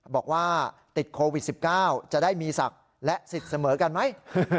บอกว่าติดโควิด๑๙จะได้มีศักดิ์และสิทธิ์เสมอกันไหม